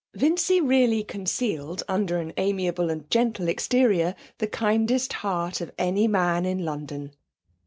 Vincy really concealed under an amiable and gentle exterior the kindest heart of any man in London.